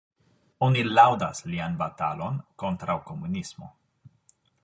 Oni laŭdas lian batalon kontraŭ komunismo.